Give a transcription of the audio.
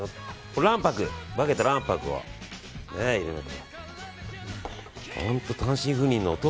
分けた卵白を入れます。